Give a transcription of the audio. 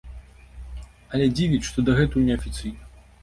Але дзівіць, што дагэтуль неафіцыйна.